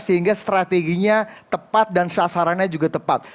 sehingga strateginya tepat dan sasarannya juga tepat